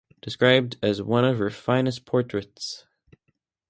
Described as "one of her finest portraits".